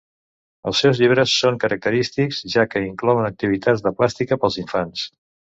Els seus llibres són característics, ja que inclouen activitats de plàstica pels infants.